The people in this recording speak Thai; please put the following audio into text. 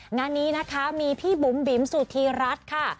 งานนี้นะคะมีพี่บุ๋มบิ๋มสุธีรัฐค่ะ